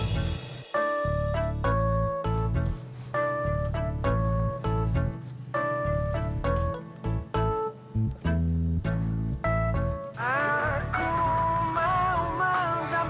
iya istirahat ya